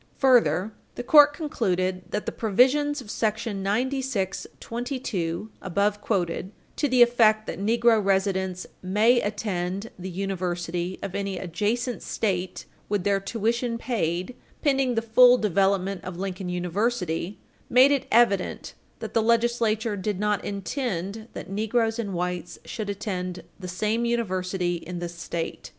Further, the court concluded that the provisions of § 9622 (above quoted) to the effect that negro residents "may attend the university of any adjacent State with their tuition paid, pending the full development of Lincoln University," made it evident "that the Legislature did not intend that negroes and whites should attend the same university in this State."